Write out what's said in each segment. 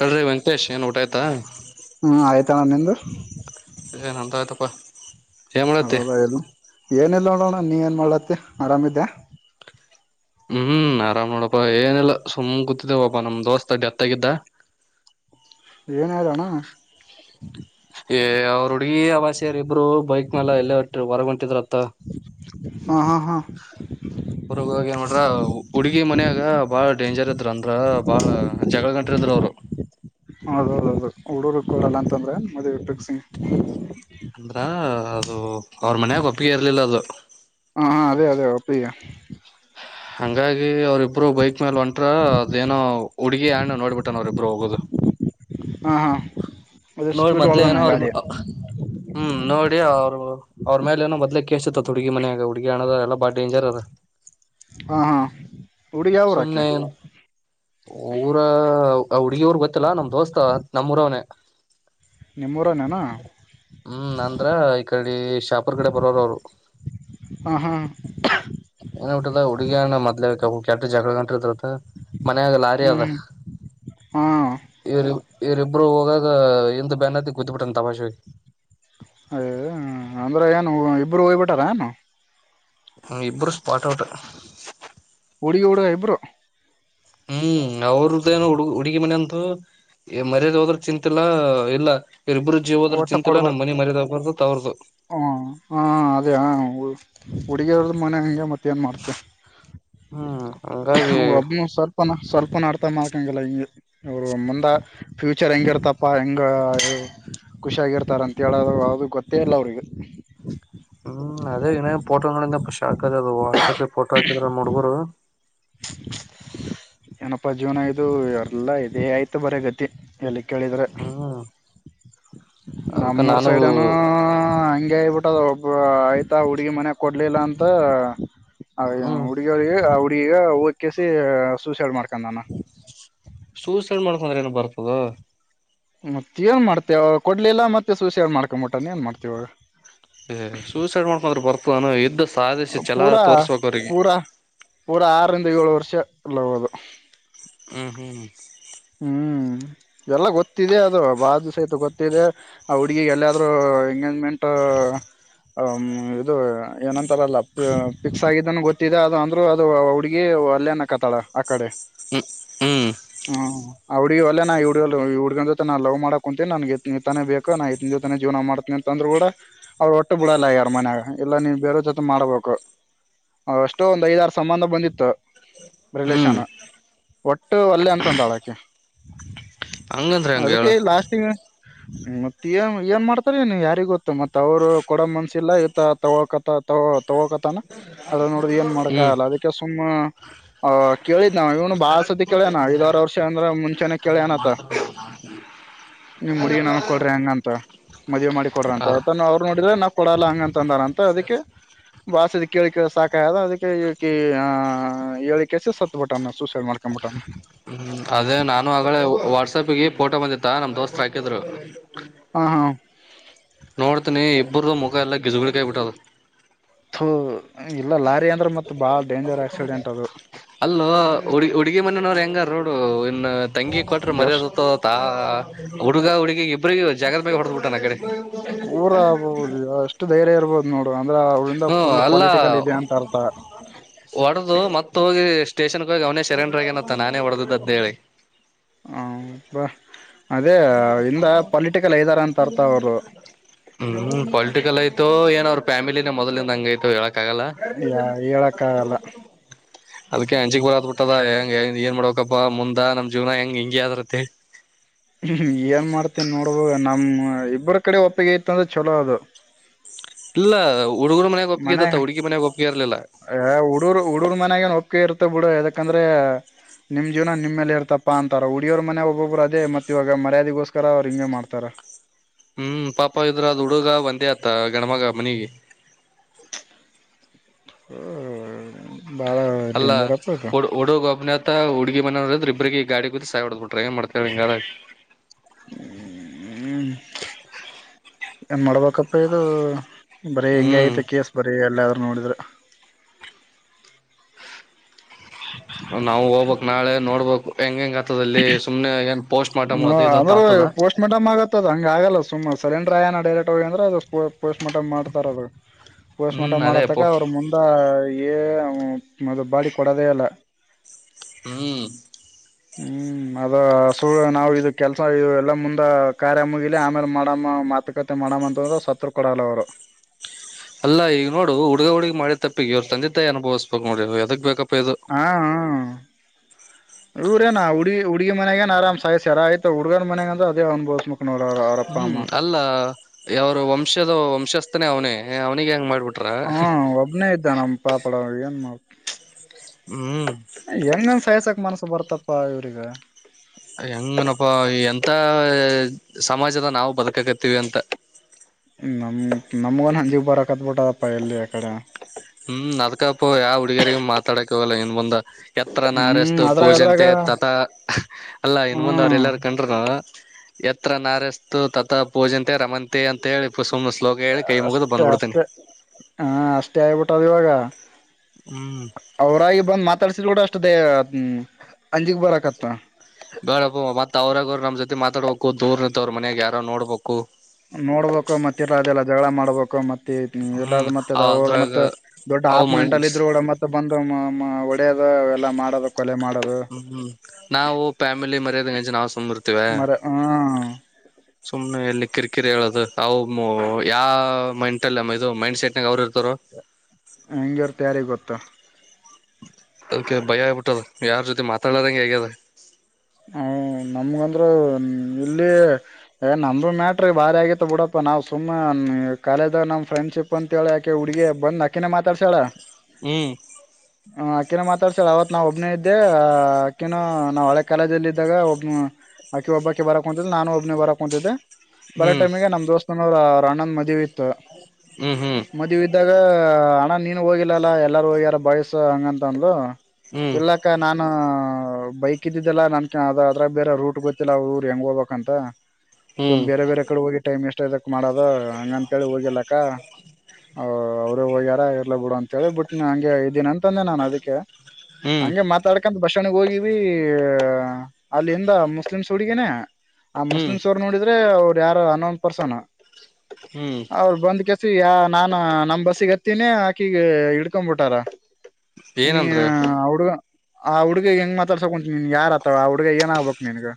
ಹೇಳ್ರಿ ವೆಂಕಟೇಶ್ ಏನ್ ಊಟ ಆಯ್ತಾ ಹ್ಮ್ ಆಯ್ತ ಅಣ್ಣ ನಿಮ್ದು. [unintelligible] ಹೌದಾ. [unintelligible] ಏನಿಲ್ಲ ನೋಡ ಅಣ್ಣ ನೀ ಏನ ಮಾಡ್ಲತಿ ಆರಾಮ ಇದ್ದೀಯ. ಹ್ಮ್ ಆರಾಮ ನೋಡಪ್ಪಾ ಏನಲ್ಲ ಸುಮ ಕುತ್ತಿದ್ದೇವಪ್ಪ ನಮ್ಮ ದೋಸ್ತ ಡೆತ್ ಆಗಿದ್ದ. ಏನ ಆಯ್ತ ಅಣ್ಣ. ಏ ಅವ್ರ ಹುಡುಗಿ ಅವ ಸೇರಿ ಇಬ್ರು ಬೈಕ್ ಮ್ಯಾಲ ಎಲ್ಲೇ ಹೊಟ್ಟ ಹೊರಗ ಹೊಂಟಿದ್ರತ. ತ್ತ ಹಾ ಹಾ ಹಾ ಇಬ್ರು ಹೋಗಿ ಏನ್ ಮಾಡ್ಯಾರ ಹುಡುಗಿ ಮನ್ಯಾಗ ಬಾಳ ಡೇಂಜರ್ ಇದ್ರ ಅಂದ್ರ ಬಾಳ ಜಗಳ ಗಂಟ ಇದ್ರ ಅವರು. ಆ ಹುಡುಗ ಕೊಡಲ್ಲ ಅಂತದ್ರೇನ ಮದ್ವಿ ಫಿಕ್ಸ್. ಅಂದ್ರ. ಅದು ಅವ್ರ ಮನ್ಯಾಗ ಒಪ್ಪಿಗೆ ಇರ್ಲಿಲ್ಲ ಅದು. ಹಾ ಹಾ ಅದೇ ಅದೇ ಒಪ್ಪಿಗೆ. ಹಂಗಾಗಿ ಅವ್ರ ಇಬ್ರು. ಇಬ್ರು ಬೈಕ್ ಮ್ಯಾಲ. ಮೇಲೆ ಒಂಟ್ರ ಅದೇನೋ ಹುಡುಗಿಯ ಹಣ್ಣ ನೋಡ್ಬಿಟ್ಟ ನ ಅವ್ರರಿಬ್ಬರು ಹೋಗೋದು [inaudible] ಅದು ನೋಡಿ ಸ್ಪೀಡ್ ಮೊದ್ಲ ಏನೋ ಹೊಳ್ದಾನ ಅವ್ರ ಗಾಡಿ ಹ್ಮ್ ನೋಡಿ ಅವ್ರು ಅವ್ರ ಮೇಲೆ ಏನ ಮೊದ್ಲ ಕೇಸ್ ಇತ್ತಂತ ಹುಡುಗಿ ಮನ್ಯಾಗ ಹುಡುಗಿ ಅಣ್ಣದೋರು ಎಲ್ಲ ಬಾ ಡೇಂಜರ್ ಅದ ಹಾ ಹಾ ಹುಡುಗಿ ಯಾವ ಉರಾಕಿ ಸುಮ್ನೆ ಊರ ಹುಡ್ಗಿ ಊರ್ ಗೊತ್ತಿಲ್ಲಾ ನಮ್ ದೋಸ್ತ ನಮ್ಮೂರವನೆ ನಿಮ್ಮೂರನೇನಾ ಹ್ಮ್ ನಂದ್ರ ಈ ಕಡೆ ಶಾಪುರ್ ಕಡೆ ಬರೋರು ಅವರು ಹಾ ಹಾ ಏನ್ಬಟ್ಟದ ಹುಡುಗಿ ಅಣ್ಣಾ ಮದ್ಲೇ ಕಬು ಯಡ್ದು ಜಗಳಗಂಟ ಇದ್ರಂತ ಮನ್ಯಾಗ ಲಾರಿಯಾದ ಹ್ಮ್ ಹಾ ಇವ್ರಿಬ್ ಇರಿಬ್ರು ಹೋಗಾಗ ಇಂದ ಬೆನ್ ಅತ್ತಿ ಗುದ್ದಿ ಬಿಟ್ಟನ್ ದಬಸಿ ಹೋಗಿ ಅಯ ಅಂದ್ರೆ ಏನು ಇಬ್ಬರು ಹೋಗ್ಬಿಟಾರ ಏನು ಮ್ಮ್ ಇಬ್ಬರು ಸ್ಪಾಟ್ ಔಟ್ ಹುಡ್ಗಿ ಹುಡುಗ ಇಬ್ರು ಹ್ಮ್ ಅವ್ರದೇನು ಹುಡುಗು ಹುಡುಗಿ ಮನೆಂದು ಈ ಮರ್ಯದೆ ಹೋದ್ರ ಚಿಂತೆಲ್ಲಾ ಇಲ್ಲ ಇವರ್ ಇಬ್ಬರ್ದು ಜೀವ ಹೋದ್ರ ಒಟ್ಟ ಚಿಂತಿಲ್ಲ ಕೊಡ್ಬಾರ ನಮ್ಮ್ ಮನೆ ಮರ್ಯದೆ ಹೋಗ್ಬಾರ್ದು ಅಂತ ಅವರದು ಹುಡುಗಿಯ್ರದ ಮನೆ ಹಂಗೆ ಮತ್ತ ಏನು ಮಾಡ್ತೆ ಹಾ ಒಬ್ಬನು ಸ್ವಲ್ಪನ ಸ್ವಲ್ಪನ ಅರ್ಥ ಮಾಡ್ತ ಇಂಗಾಲ ಈ ಅವರು ಮುಂದಾ ಫ್ಯೂಚರ್ ಹೆಂಗಿರ್ತಪ್ಪ ಹೆಗೆ ಖುಷಿಯಾಗಿರ್ತಾರ ಅಂತೇಳೋದು ಅದು ಗೊತ್ತೇ ಇಲ್ಲ ಅವ್ರಿಗೆ ಹ್ಮ್ ಅದೇ ಏನ ಫೋಟೋ ನೋಡಿದ್ಯಾಪಾ ಶಾಕ್ ಅದು ವಾಟ್ಸಪ್ಗೆ ಫೋಟೋ ಹಾಕಿದ್ರ ನೋಡ್ಬೋರು ಏನಪ್ಪಾ ಜೀವನ ಇದು ಯಾರ್ಲಾ ಇದೇ ಆಯ್ತು ಬರೇ ಗತಿ ಎಲ್ಲಿ ಕೇಳಿದ್ರ ಹ್ಮ್ ಅದಕ್ಕ ನಮ್ಮೂರ್ ನಾನು ಸೈಡ್ನು ಹಂಗೆ ಅಗ್ಬಿಟ್ ಹೊಟ್ಟ ಇಬ್ರು ಆಯ್ತಾ ಹುಡುಗಿ ಮನೆಗ ಕೊಡ್ಲಿಲ್ಲ ಅಂತ ಆ ಯ ಹ್ಮ್ ಹುಡ್ಗಿಯವರಿಗಿ ಈಗ ಹೋಕೆಸಿ ಸೂಸೈಡ್ ಮಾಡ್ಕೊಂದಾನ ಸೂಸೈಡ್ ಮಾಡ್ಕೊಂಡ್ರ ಏನ ಬರ್ತದೊ ಮತ್ತ ಏನ್ ಮಾಡ್ತಿ ಅವ್ ಕೊಡ್ಲಿಲ್ಲಾ ಮತ್ತ ಸೂಸೈಡ್ ಮಾಡ್ಕೊಂಬೀಟಾನ ಏನ್ ಮಾಡ್ತಿ ಪನು ಇದಷ್ಟು ಪೂರ ಪೂರ ಪೂರ ಆರ್ ಆರ್ ಏಳು ವರ್ಷ ಲವ್ ಅದು ಹಾ ಹ್ಮ ಹ್ಮ್ ಎಲ್ಲ ಗೊತ್ತಿದೆ ಅದು ಬಾಾಜ ಸಹಿತ ಗೊತ್ತಿದೆ ಆ ಹುಡ್ಗಿಿಗೆ ಎಲ್ಲಾದ್ೂ ಹಂಗ ಮಟ್ ಅ ಇದು ಏನಂತಾರಲ್ಲ ಪಫಿಕ್ಸ್ ಆಗಿದ್ದನ್ ಗೊತ್ತಿದೆ ಅದು ಅಂದ್ರರು ಅದು ಹುಡ್ಗಿ ಅಲ್ಲೇನಕತ್ತಾಳ ಆ ಕಡೆ ಹ್ಮ್ ಹ್ಮ್ ಹ್ಮ ಹುಡ್ಗ ಅಲ್ಲ ನಾ ಹುಡ್ಗ ಹುಡ್ಗನ್ ಜೊತೆ ನಾ ಲವ್ ಮಾಡಕ್ ಕುಂತಿನಿ ನನ್ ತಾನೇ ಬೇಕು ನಾು ಇ ಜೊತೆ ಜೀವನ ಮಾಡ್ತೇನ ಅಂದ್ ಕೂಡ ಅವ್ಳ ಒಟ್ಟು ಬಿಡಲ್ಲ ಯಾರ ಮನ್ಾಗ ಎಲ್ಲ ನೀವು ಬೇರೋ ಜೊತೆ ಮಾಡ್ಬೇಕು ಅಷ್ಟೋ ಒಂದ್ ಐದಾರು ಸಂಬಂಧ ಬಂದಿತ್ತು ಹ್ಮ್ ಬಲೇಶಾನ ಒಟ್ಟು ಅಲ್ಲೆ ಅಂತಂದ ಅಳಗೆ ಓೆ ಹಂಗಂದ್ರೆ ಹೆಂಗ ಹೇಳ ಅದಕ್ಕೆ ಲಾಸ್ಟಿಂಗ್ ಮತ್ತ ಏನ್ ಏನ್ ಮಾಡ್ತಾರ ನೀ ಯಾರಿ ಗೊತ್ತ ಮತ್ ಅವ್ರು ಕೊಡ ಮನ್ಸಿಲ್ಲ ಇತ ತಗೋಕತ ತಗೋ ತಗೋಕತಾನ ಅದ್ರ ನೋಡ್ದ್ ಏನ್ ಮಾಡ್ಕಲ್ಲ ಹ್ಮ್ ಅದಕ್ಕೆ ಸುಮ್ಮ್ ಆ ಕೇಳಿದ ನಾವ ಇವನು ಬಾಳ ಸತಿ ಕೇಳ ನ ಐದಾರು ವರ್ಷ ್ರ ಮುಂಚೆಾನ ಕೇಳಿನತ ನೀಮ್ ಮುಡಗಿ ನನ ಕೊಡ್ರಿ ಹಂಗಂತ ಮದುವೆ ಮಾಡಿ ಕೊಡ್ರಿ ಅಂತಾನ ಅವ್ರು ನೋಡಿದ್ರೆ ನಾ ಕೊಡಲ್ಲ ಹಂಗಂತ ಅಂದಾರಂತ ಅದಕ್ಕೆ ಕಾಸ ಕೇಳಿಿಕೇಳ ಸಾಕಾಯದ ಅದಕ್ಕೆ ಆ ಹೇಳಿ ಕೆಸಿ ಸತ್ತಬಿಟ್ಟಾನ ಸೂಸೈಡ್ ಮಾಡ್ಕೊ್ಬಿಟ್ಟಾನ ಹ್ಮ ಅದೇ ನಾನು ಆಗಳ ವಾಟ್ಸಪ್ಗೆ ಫೋಟೋ ಬಂದಿತ್ತಾ ನಮ್ ದೋಸ್ತ್ ಹಾಕಿದ್ರು ಹಾ ಹಾ ನೋಡ್ತನಿ ಒಬ್ಬರದ ಮುಖ ಎಲ್ಲ ಗಿಜುಗಳಿ ಕಾಯಿ ಬಿಟ್ಟ್ ಹ್ಮ ಇಲ್ಲ ಲಾರಿ ಅಂದ್ರೆ ಮತ್ತೆ ಬಾಳ ಡೇಂಜರ್ ಆಕ್ಸಿಡೆಂಟ್ ಅದು ಹೆಂಗ ರೋಡ್ ನನ್ನ ತಂಗಿ ಕೊಟ್ರ ಗ್ಯಾಸ್ ಮರ್ಯಾದತ ತಾ ಹುಡುಗ ಹುಡುಗಿ ಇಬ್ಬರಿಗ ಜಾಗದ ಮೇೆ ಹೊಡೆದ್ಬಿಟ ನ ಕಡೆ ಊರ ಆಗ್ಬಹುದು ಅಷ್ಟು ಧೈರ್ಯ ಇರಬಹುದು ನೋಡುವ ಹ್ಮ ಅಲ್ಲ ಅರ್ಥ ಒಡೆದು ಮತ್ತ ಹೋಗಿ ಎಷ್ಟ ಸ್ಟೇಷನ್ಕ್ ಹೋಗಿ ಅವನೇ ಶರೇಂಡ್ರಗ ನತ್ತ ನಾನೇ ಹೊಡೆದು ಅಂತ ಹೇಳಿ ಹ ಬ ಅಂತ ಅರ್ಥ ಅವರು ಹ್ಮ್ ಪೊಲಿಟಿಕಲ್ ಆಯ್ತು ಏನ್ ಫ್ಯಾಮಲಲಿಿನ ಮೊದಲಿಂದ ಹಂಗೈಐತ ಹೇಳ ಅಡ್ಯ ಹೇಳಕ್ಕ ಆಾಗಲ್ಲ ಅದ್ಕ ಅಂಜಿಕ ಬರಕತಬಿಟ್ಟದ ಹೆಂಗ ಹೆಂಗ ಏನ ಮಾಡಬೇಕಪ್ಪ ಮುಂದಾ ನಮ್ಮ ಜೀವನ ಹೆಂಗ ಹಿಂಗೆ ಆದ್ರತ್ತಹೇಳಿ. ಹ್ಮ ಏನ ಮಾಡ್ತಿ ನೋಡುದು ನಮ್ಮ ಇಬ್ಬರ ಕಡೆ ಒಪ್ಪಿಗೆ ಇತ್ತ ಅಂದ್ರ ಚಲೋ ಅದು. ಇಲ್ಲ. ಹುಡುಗರು ಮನ್ಯಾಗ ಒಪ್ಪಿಗೆ ಮನ್ಯ ಇದ್ದತ್ತ ಹುಡುಗಿ ಮನ್ಯಾಗ ಒಪ್ಪಿಗೆ ಇರ್ಲಿಲ್ಲ ಯ ಹುಡುರು ಹುಡುರು ಮಾನ್ಯಗೇನ ಒಪ್ಗೆ ಇರತ್ತ. ತ್ತ ಬಿಡು ಎದಕಂದ್ರೆ ನಿಮ್ಮ ಜೀವನ ನಿಮ್ಮಲ್ಲೇ ಇರ್ತಪ್ಪಾ ಅಂತಾರ ಹುಡುಗ್ಯಾರ ಮನ್ಯಾಗ ಒಬ್ಬೊಬ್ಬರ ಅದೇ ಮತ್ತ ಇವಾಗ ಮರ್ಯಾದಿಗೋಸ್ಕರ ಅವ್ರು ಹಿಂಗೆ ಮಾಡ್ತಾರ. ಹ್ಮ್ ಪಾಪ ಇದ್ರ ಅದ ಹುಡುಗ ಒಂದೇ ಅದ. ಅತ್ತ ಗಣಮಗಾ ಮನಿಗಿ. ಹ. ಅಲ್ಲ ಹುಡು ಹುಡುಗ ಒಬ್ಬನೆ ಅತ ಹುಡುಗಿ ಮನೆಯವರ. ಇವರ ಇಬ್ಬರಿಗಿ ಗಾಡಿ ಗುದ್ದಿ ಸಾಯ ಹೊಡದ ಬಿಟ್ಟರ ಏನ ಮಾಡ್ತಿ ಹೇಳ ಹಿಂಗಾದ್ರ. ಹ್ಮ ಹ್ಮ ಏನ ಮಾಡ್ಬೇಕಪ್ಪ ಇದು ಬರೀ ಹೆಂಗೆ ಹ್ಮ್ ಐತ ಕೇಸ್ ಬರಿ ಎಲ್ಲ. ನೋಡಿದ್ರ. [inaudible] ನಾವು ಹೋಗಬೇಕ ನಾಳೆ ನೋಡ್ಬೇಕು ಹೆಂಗ ಹೆಂಗ. ಆಗ್ತದಲ್ಲಿ ಸುಮ್ನೆ ಏನ ಪೋಸ್ಟ್ ಮಾರ್ಟಮ್ ಅದು ಇದು ಅತ ಅಂದ್ರ ಆತದ. ಪೋಸ್ಟ್ ಮಾರ್ಟಮ್ ಆಗತ್ತದ ಹಂಗ ಆಗಲ್ಲ ಸುಮ ಸಲೆಂಡ್ರ ಆಗ್ಯಾನ ಡೈರೆಕ್ಟ್ ಹೋಗ ಅಂದ್ರ ಅದು ಪೋಸ್ಟ್ ಮಾರ್ಟಂ ಮಾಡ್ತಾರ ಅದ. ಪೋಸ್ಟ್ ಹ್ಮ್ ಮಾರ್ಟಂ ಮಾಡತಕ ಅದೇಪ್ಪೋ ಅವರು ಮುಂದ ಏ. ಹ್ಮ್ ಮತ್ತ ಬಾಡಿ ಕೊಡದೆ ಇಲ್ಲ. ಹ್ಮ್. ಹ್ಮ್ ಅದ ಸುಳ್ಳ ನಾವ ಇದ ಕೆಲ್ಸ ಇವ ಎಲ್ಲಾ ಮುಂದ ಕಾರ್ಯ ಮುಗಿಲಿ ಆಮೇಲೆ ಮಾಡಮ್ಮ ಮಾತುಕತೆ ಮಾಡಮ್ಮ ಅಂತಂದ್ರ ಸತ್ರು ಕೊಡಲ್ಲ ಅವ್ರು. ಅಲ್ಲ ಈಗ್ ನೋಡು ಹುಡ್ಗ ಹುಡ್ಗಿ ಮಾಡಿದ್ ತಪ್ಪಿಗೆ ಅವ್ರ್ ತಂದೆ ತಾಯಿ ಅನುಭವಿಸ್ಬೇಕ್ ನೋಡ್ ಇವಾಗ್ ಯದಕ್ ಬೇಕಪ್ ಆಹೌ ಇವ್ರೇನ್ ಆ ಹುಡ್ಗಿ ಉಡ್ಗಿ ಮನೆಗೇನ್ ಆರಾಮ್ ಸಾಯಿಸ್ಯಾರ ಆಯ್ತಾ ಉಡ್ನ್ಗ್ ಮನೆಗ್ ಅಂದ್ರೆ ಅದೇ ಅನುಭವಸ್ ಬೇಕ್ ಉಹುಂ ಅಲ್ಲ, ಯವರು ವಂಶದ ವಂಶಸ್ತ್ [unintelligible] ಅವ್ನೇ ಅವನಿಗೆ ಹಂಗ್ ಮಾಡ್ಬಿಟ್ ಹಾ ಒಬ್ನೇ ಇದ್ದ ನಮ್ ಪಾಪಡ ಏನ್ ಮಾಡ್ ಹ್ಮ್ ಎಂಗಾನ್ ಸಯಸಕ್ ಮನ್ಸ್ ಬರ್ತಪ್ಪ ಇವ್ರಿಗೆ. ಸಮಾಜದಾಗ್ ನಾವು ಬದುಕಕ್ ಅತ್ ನಮ್ ನಮ್ಮೋನ್ ಅಲ್ಲಿಗ್ ಬರಕ್ ಹತ್ಬಿಟ್ಟದಪ್ಪ ಎಲ್ಲಿ ಆ ಕಡೆ ತಡ್ಯಾಕ್ ಆಗಲ್ಲ ಇನ್ ಮುಂದ. ಯತ್ರ ಹ್ಮ್ ನಾರ್ಯಸ್ತು ಅದ್ರಾಗ ಅದ್ರಾಗ ಪೂಜ್ಯಂತೆ ತತಾ ಅಲ್ಲಾ ಇನ್ ಮುಂದ್ ಅವ್ರ್ ಹ್ಮ್ ಎಲ್ಲಾರ ಕಂಡ್ರುನೂ ಯತ್ರ ನಾರ್ಯಸ್ತು ತತಾ ಪೂಜ್ಯಂತೆ ರಮಂತೆ ಅಂತ್ ಹೇಳಿ ಸುಮ್ನೆ ಶ್ಲೋಕ ಹೇಳಿ ಕೈ ಮುಗಿದು ಆಷ್ಟೇ ಬಂದ್ಬಿಡ್ತೇನಿ ಅಷ್ಟೇ, ಹಾ ಅಷ್ಟೇ ಆಗ್ಬಿಟ್ [unintelligible] ಇವಾಗ. ಹ್ಮ್ ಅವರಾಗಿ ಬಂದ್ ಮಾತಾಡ್ಸಿದ್ ಕೂಡ ತದೆ ಅಂಜಿಗ್ ಬರಕತ್ತ. [unintelligible] ಬೇಡಪ್ಪ ಮತ್ತ ಅವ್ರಾಗ ಅವರು ನಮ್ ಜೊತೆ ಮಾತಾಡ್ಬೇಕು ದೂರ್ನಂತವ್ರ ಮನ್ಯಾಗ ಯಾರ ನೋಡ್ಬೇಕು. ನೋಡ್ಬೇಕು ಮತ್ತೆ ಇರ ಅದೆಲ್ಲ ಜಗಳ ಮಾಡ್ಬೇಕು ಮತ್ತ ಇಲ್ಲ ಹ್ಮ್ ಮತ್ತೆ ಅ ಅವರು ಅದ್ರಾಗ ಮತ್ತೆ ದೊಡ್ಡ ಅವ ಆಪ್ಮೆಂಟ್ ಅಲ್ಲಿ ಮೈಂಡ್ಸ್ ಇದ್ರು ಕೂಡ ಮತ್ತೆ ಬಂದು. ಎಲ್ಲ ಮಾಡ್ ಹ್ಮ್ ಹ್ಮ್ ನಾವು ಫ್ಯಾಮಿಲಿ [inaudible] [unintelligible] ಮರ ಹಾ. ಸುಮ್ನೆ ಎಲ್ಲಿ ಕಿರಿಕಿರಿ ಹೇಳೋದು ಅ ಯಾ ಮೈಂಟಲ್ಲಿ ಇದು ಮೈಂಡ್ ಸೆಟ್ನಾ ಗ್ ಅವ್ರ್ ಇರ್ತಾರೊ ಹೆಂಗಿರ್ತ್ ಯಾರಿಗ್ ಗೊತ್ತಾ. ಅದಕ್ಕೆ ಭಯ ಆಗ್ಬಿಟ್ಟದ ಯಾರ್ ಜೊತೆ ಮಾತಾಡದಂಗೆ ಹಾಗ್ಯದ ಹ ನಮಗಂದ್ರ್ ಇಲ್ಲಿ ನಮ್ದು ಮ್ಯಾಟ್ರಿ ಬಾರಿ ಆಗತ್ತ ಬಿಡಪ್ಪ ನಾವ್ ಸುಮ್ಮ್ ಕಾಲೇಜ ನಮ್ ಫ್ರೆಂಡ್ಶಿಪ್ ಅಂತ. ಳಾಕೆ ಹುಡುಗಿ [unintelligible] ಅಕಿನೇ ಮಾತಾಡ್ಸ್ಯಾಳ ಹ್ಮ್ ಹ ಅಕ್ಕಿನ ಮಾತಾಡ್ಸ್ಯಾಳ ಅವತ್ ನಾ ಒಬ್ನೇ ಇದ್ದೆ ಆ ಅಕ್ಕಿನ ಕಾಲೇಜಲ್ ಇದ್ದಾಗ ಒಬ್ನ್ ಆಕಿ ಒಬ್ಬಾಕಿ ಬರಕ್ ಕುಂತಿದ್ಲ್ ನಾನು ಒಬ್ನ ಬರಕ್ ಕುಂತಿದ್ದೆ ಬರ ಹ್ಮ್ ಟೈಮಿಗೆ ನಮ್ ದೋಸ್ತ್ನ ಪ್ರಾಣನ್ ಮದಿವ್ ಹ್ಮ್ ಹ್ಮ್ ಮದಿವಿದ್ದಾಗ ಣ ನೀನು ಹೋಗಿಲ್ಲಲ್ಲ ಎಲ್ಲರೂ ಹೋಗ್ಯಾರ ಬಾಯ್ಸು ಹಂಗಂತ ಅಂದ್ಲು ಹ್ಮ್ ಇಲ್ಲಕ್ಕ ನಾನು ಬೈಕ್ ಕ್ಕಿದ್ದಿದ್ದೆಲ್ಲಾ ನನ್ ಅ ಅದ್ರಾಗ್ ಬೇರೆ ರೂಟ್ ಗೊತ್ತಿಲ್ಲ ಅವ್ರ್ ಊರು ಹೆಂಗ ಹೋಗ್ಬೇಕ್ ಅಂತ ಸುಮ್ ಹ್ಮ್ ಬೇರೆ ಬೇರೆ ಕಡೆ ಹೋಗಿ ಟೈಮ್ ಎಷ್ಟ ಇದದಕ್ ಮಾಡದ ಹಂಗ ಅಂತೇಳಿ ಹೋಗಿಲ್ಲಕ್ಕ ಅವ್ರು ಹೋಗ್ಯಾರ ಇರ್ಲ ಬಿಡು ಅಂತೆಳಿ ಬಟ್ನ್ ಹಂಗೆ ಇದೀನ ತೆ ನಾನ್ ಅದಿಕ್ಕೆ ಹ್ಮ್ ಹಂಗೆ ಮಾತಾಡ್ಕಂಡ್ [unintelligible] ಹೋಗಿವೀ ಅಲ್ಲಿಂದ ಮುಸ್ಲಿಮ್ಸ್ ಹುಡ್ಗಿನೆ ಆ ಹ್ಮ್ ಮುಸ್ಲಿಂಸೊರ್ ನೋಡಿದ್ರೆ ಯಾರೊ ಅನ್ನೊನ್ ಪರ್ಸನ್ನು ಹ್ಮ್ ಅವ್ರ್ ಬಂದ್ ಯ ನಾನ ನಮ್ ಬಸ್ಸಿಗ್ ಹತ್ತೀನಿ ಆಕಿಗೆ ಇಡ್ಕೊಮ್ಬಿಟ್ಟಾರ್ ಏನಂದ್ರ ನಿಯಾ ಹುಡ್ಗ ಆ ಹುಡ್ಗಿಗ್ ಹೆಂಗ್ ಕುಂು ನೀನ್ ಯಾರ ಆತವ ಅವ ಹುಡ್ಗ ಏನ್ಗ್್ಬೇಕಕ್ ನಿನ್ಗ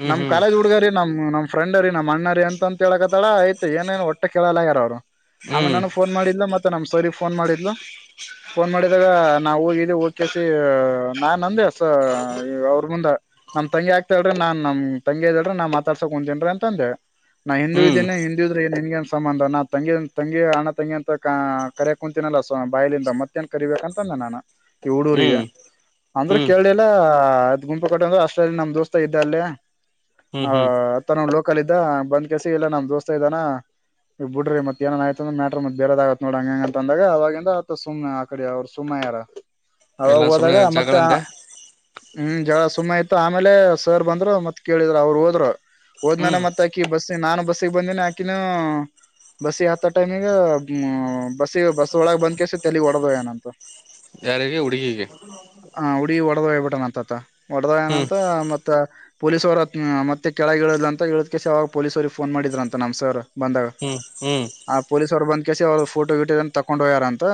ಹ್ಮ್ ನಮ್ ಹ್ಮ್ ಕಾಲೇಜ್ ಹುಡ್ಗಾರಿೀ ನಮ ನಮ್ ಫ್ರೆಂಡ ರೀ ನಮ್ಮ ಅಣ್ಣರಿ ಅಂತ ಹೇಳಳ್ಕತ್ತಾಳ ಆಯ್ು ಏನೇನು ಒಟ್ಟ ಕೇಳೋಲಗ್ಯಾರ ಅವರು ಆಮೇ ಹ್ಮ್ ನಾನು ಫೋನ್ ಮಾಡಿಲ್ಲ ಮತ್ತೆ ನಮ್ ಸರಿ ಫೋನ್ ಮಾಡಿದ್ಲು ಫೋನ್ ಮಾಡಿದಾಗ ನಾವವು ಹೋಗಿದ್ದವಿ ಹೋಗ ಕೆಸಿ ನಾ ನಂದೇ ಸ ಅವ್ರ ಮುಂದೆ ನಮ್ ತಂಗಿ ಆಗ್ತ ಹೇಳ್ರಿ ನಾನ್ ನಮ ತಂಗ ಇದ್ದ ಹೇಳ್ರ ನಾನ್ ಮಾತಾಡ್ಸಕಕ್ ಕುಂದಂತೀನ್ಿ ಅಂದೆ ನಾ ಹಿಂದೂ ಹ್ಮ್ ಇದೇನೆ ಹಿಂದೂ ಇದ್ರನ್ಗೆ ಸಂಬಂಧ ನಾ ತಂಗಿ ತಂಗಿ ಹಣ್ಣ ತಂಗಿ ಅಂತ ಕ ಕರಿಯ ಕುತೀನಲ್ಲ ಸ ಬಾಯಲಿಂದ ಮತ್ತೇಏನ್ ಕರಿೀಬೇಕಂತಂದೆ ನಾನು ಡೂರಿಗೆ ಹ್ಮ್ ಅಂದ್ರೆ ಹ್ಮ್ ಅದ್ ಗುಂಪ ಕಟ್ಟ ಅಂದ್ರರು ಅಷ್ಟಲ್ಲಿ ನಮ್ ದೋಸ್ತ ಇದ್ದ ಅಲ್ಲೇ. ಹ್ಮ್ ಹ ಹ್ಮ್ ಅತ್ತ ನೋಡ್ಲ. ಹ ಕಲ ಇದ ಬಂದ್ ಕೆಸ ಇಲ್ಲ ನಮ್ ದೋಸ್ತ ಇದಾನ ಈ ಬಿಡ್ರಿ ಮತ್ ಏನನ್ ಆಯತಂದ ಮ್ಯಾಟ್ರ ಮತ್ ಬೇರದ ಆಗತ್ ನೋಡ ಹಂಗ ಹೆಂಗ ಅಂತ ಅಂದಾಗ ಅವವಾಗಿಂದ ಸುಮ್ಮನೆ ಆ ಕಡೆ ಅವರು ಸುಮ್ಮನೆ ಯಾರ. ಅವಾಗ ಎಲ್ಲ ಸುಮ್ನೆ ಹೋದಾಗ ಮತ್ತೆ. ಜಗಳಂದೆ ಹ್ಮ್ ಜಳ ಸುಮಮ್ಮ ಇತತ್ತು ಆಮೇಲೆ ಸರ್ ಬಂದ್ರು ಮತ್ ಕೇಳಿದ್ರರು ಅವರು ಹೋದ್ರು. ಹೋದ್ ನನ ಹ್ಮ್ ಮತ್ತಾಕಿ ಬಸ್. ನಾನು ಬಸ್ಸಿಗೆ ಬಂದಿನನೆ ಆಾಕಿನ ಬಸ್ಸಿಗೆ ಹತ್ತ ಟೈಮಿಗ್ ಬಸ್ಸಿಗೆ ಬಸ್ ಒಳಗ ಬಂದ್ ಕೆಸ ತಲೆ ಹೊಡದವ ಏನಂತ. ಯಾರಿಗೆ ಹುಡುಗಿಗೆ. ಪಡದಟ್ಟ ನಾ. ಒಡೆದ ಹ್ಮ್ ಏನಂತ ಮತ್ತೆ. ಪೊಲೀಸ್ವರ ಮತ್ತೆ ಕೆಳಗ್ ಹೇಳದ್ ಅಂತ ಹೇಳುದ್ಕ್ಕೆಸ ಅವಾಗ ಪೊಲೀಸ್ವರಿಗೆ ಫನ್ ಮಾಡಿದ್ರ ಅಂತ ನಮ್ ಸರ್. ಬಂದಾಗ ಹ್ಮ್ ಹ್ಮ್ ಆ ಪೊಲೀಸ್ ಅವರು ಬಂದ. ಕಸಿ ಅವ್ರರು ಫೋಟೋ ವೀಟೋಏ ತಗೊಂಡು ಹಯ್ಯಾರ ಅಂತ.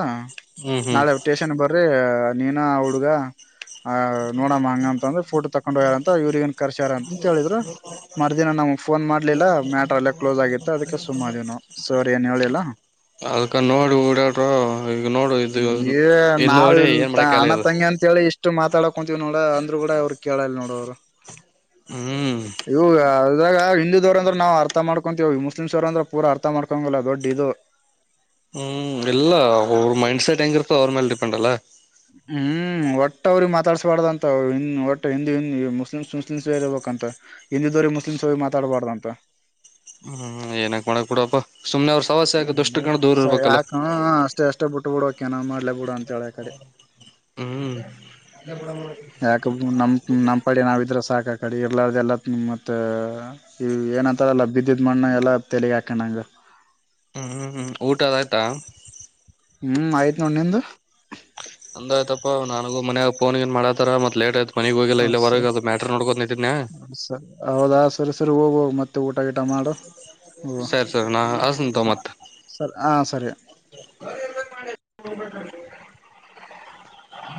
ಹ್ಮ್ ಹ್ಮ್ ನಾಳೆ ಟೇಷನ್ ಬರ್. ಅ್ರೀ ನೀನ ಹುಡುಗ. ಆ ನೋಡಮ್ಮ ಹಂಗ ಅಂತಂದ್ರೆ ಫೋಟೋ ತಕೊಂಡ್ ಹೋಗ್ಯಾರಂತ ಇವ್ರ ಏನ್ ಕರ್ಸ್ಯಾರ ಅಂತಂತ ಹೇಳಿದ್ರು ಮರ್ದಿನ ನಮ್ ಫೋನ್ ಮಾಡ್ಲಿಲ್ಲ ಮ್ಯಾಟ್ರ ಅಲ್ಲೇ ಕ್ಲೋಸ್ ಆಗಿತ್ತ ಅದಕ್ಕೆ ಸುಮ್ಮ ದಿವವನು ಸರಿ ಏನ್ ಹೇಳಿಲ್ಲಾ. ಅದಕ ನೋಡಿ ಓಡಾಡ. ನಾವ್ ಇಲ್ ಏನ್ ಮಾಡಕ ಆಗಲ್ಲ ಅಣ್ಣ ಇದು ತಂಗಿ ಅಂತೇಳಿ ಇಷ್ಟ. ಇಷ್ಟು ಮಾತಾಡಕೊಂತೀವ್ ನೋಡ ಅಂದ್ರರು ಕೂಡ ಇ ಅವ್ರು ಕೇಳಲ್ಲ ನೋಡ ಅವ್ರು ಹ್ಮ್ ಇ ಇದಾಗ ಹಿಂದೂ ದವರು ಅಂದ್ರ ನಾವವು ಅರ್ಥ ಮಾಡ್ಕೊಂತೀವಿ ಮುಸ್ಲಿಮ್ಸ್ ಅವರುಂದ್ರ ಪೂರ ಅರ್ಥ ಮಾಡ್ಕೊಂಗಲ್ಲ ದೊಡ್ಡ ಇದು. ಹ್ಮ ಇಲ್ಲ ಊ. ಪಂಡಸ ಭಯಂಗರ ೋರ್ಲ್. ಪೊಂಡಲ್ಲ. ಹ್ಮ್ ಒಟ್ಟವ್ರಿಗೆ ಮಾತಾಡ್ಸ್ಬಾರ್ದ ಅಂತ ಒಟ್ಟ ಹಿಂದ ಮುಸ್ಲಿಮಸ್ ಮುಸ್ಲಿಮಸ್ ಇರ್ಬಂತ ಹಿಂದಿದವ್ರ ಮುಸ್ಲಿಮ್ಸ್ ಅವ್ರ ಮಾತಾಡ್ಬಾರ್ದ ಅಂತ. ಹ ಏನಕ್ ಮಾಡಕ್ ಕೊಡಪ್ಪ. ಸ ಯಾಕಣ ಅಷ್ಟೇ ಅಷ್ಟೇ ಬಿಟ್ಟ ಬಿಡ. ಕೆನ ಮಾಡ್ಲೇಬುಡ ಅಂತಳೆ ಕಡೆ. ಹ್ಮ್ ಯಾಕ ನಮ ನಮ್ಮ್ ಪಡಿ ನಾವಿದ್ರ ಸಾಕಾಕಡಿ ಇರ್ಲಾರ್ದ ಎಲ್ಲಾ. ಮತ್ತ ಈ ಏನಂತಾರಲ್ಲ ಬಿದ್ದಿದ ಮಣ್ಣ ಎಲ್ಲಾ ತೆಲಿಗ ಹಾಕ ನಂಗ ಊಟದ ಆಯ್ತಾ. ಹ್ಮ್ ಆಯ್ತ್ ನೋಡ್ ನಿಂದು. ಒಂದ ಆಯ್ತಾ ನನ್ಗೂ ಮನ್ಯಾಗ ೋನ್ ಏನ್ ಮಾಡತಾರ ಮತ್ ಲೇಟ್ ಆಯ್ತ. ಮನೆಗ್ ಹೋಗಿಲ್ಲ ಇಲ್ಲ ಸರಿ ಹೊರಗೆ ಅದು ಮ್ಯಾಟರ್ ನೋಡ್ಕೊತತನೆಯ. ಸರಿ ಹೌದಾ ಸರಿ ಸರಿ ಹೋಗೋಗ ಮತ್ತೆ ಊಟ ಗಿಟ ಮಾಡು. ಹೋ ಸೆರ್ ಸರ ನಾ ಅಸಂತೊಮತ. ಸರಿ ಹಾ ಸರಿ [unintelligible]